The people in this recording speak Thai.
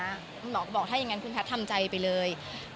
คุณครับทำใจไปเลย